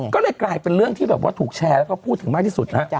ก็เลยกลายเป็นเรื่องที่แบบว่าถูกแชร์แล้วก็พูดถึงมากที่สุดนะฮะ